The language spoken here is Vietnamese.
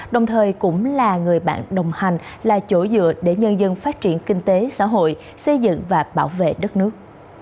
đồng thời cũng là người bạn đồng hành là chỗ dựa để nhân dân phát triển kinh tế xã hội xây dựng và bảo vệ đất nước